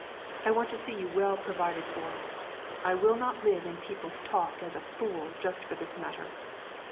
I want to see you well provided for. I will not live in people's talk as a fool just for this matter.